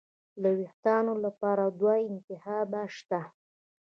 د وېښتانو لپاره دوه انتخابه شته.